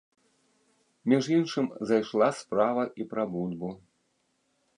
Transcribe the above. Між іншым зайшла справа і пра бульбу.